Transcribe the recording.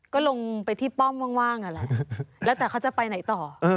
ก็ลงไปที่ป้อมว่างแล้วแต่เขาจะไปไหนต่อ